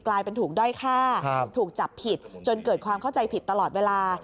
กลายเป็นถูกด้อยฆ่าถูกจับผิดจนเกิดความเข้าใจผิดตลอดเวลา